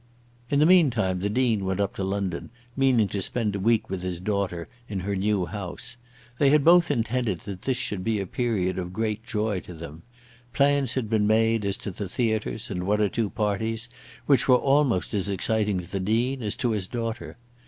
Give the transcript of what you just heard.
In the meantime the Dean went up to London, meaning to spend a week with his daughter in her new house. They had both intended that this should be a period of great joy to them. Plans had been made as to the theatres and one or two parties, which were almost as exciting to the Dean as to his daughter.